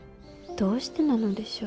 どうしてなのでしょう。